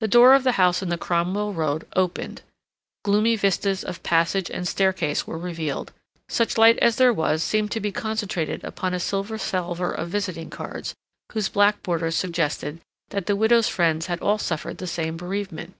The door of the house in the Cromwell Road opened; gloomy vistas of passage and staircase were revealed; such light as there was seemed to be concentrated upon a silver salver of visiting cards, whose black borders suggested that the widow's friends had all suffered the same bereavement.